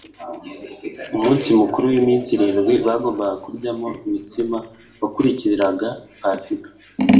Umunsi mukuru w'iminsi irindwi bagombaga kuryamo imitsima wakurikiraga Pasika.